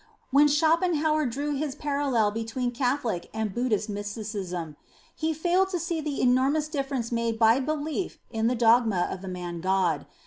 When Schopenhauer drew his parallel between Catholic and Buddhist Mysticism, he failed to see the enormous differ ence made by belief in the dogma of the Man god.